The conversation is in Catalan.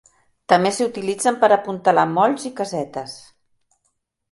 També s'utilitzen per apuntalar molls i casetes.